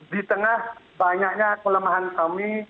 di tengah banyaknya kelemahan kami